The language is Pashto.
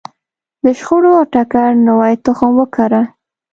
د شخړو او ټکر نوی تخم وکره.